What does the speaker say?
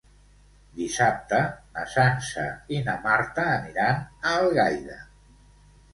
Dissabte na Sança i na Marta aniran a Algaida.